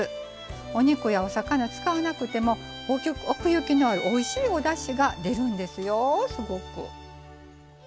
お肉やお魚、使わなくても奥行きのある、おいしいおだしが出るんですよ、すごく。